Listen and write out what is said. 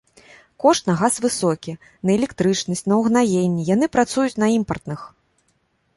Кошт на газ высокі, на электрычнасць, на ўгнаенні, яны працуюць на імпартных.